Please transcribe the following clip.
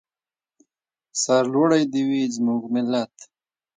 سرلوړی دې وي زموږ ملت.